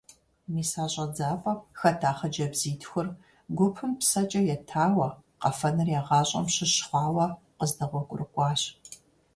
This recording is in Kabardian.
Мис а щӀэдзапӀэм хэта хъыджэбзитхур гупым псэкӀэ етауэ, къэфэныр я гъащӀэм щыщ хъуауэ къыздэгъуэгурыкӀуащ.